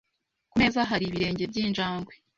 Ku meza hari ibirenge byinjangwe.